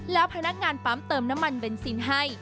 แล้วพนักงานปั๊มเติมน้ำมันเบนซินให้